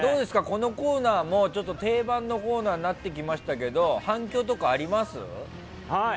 このコーナーも定番のコーナーになってきましたけど反響とかあります？